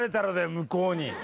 向こうに。